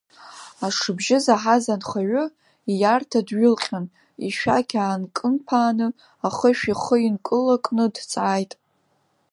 Ашыбжьы заҳаз анхаҩы, ииарҭа дҩылҟьан, ишәақь аакынԥааны, ахышә ихы инкылакны дҵааит…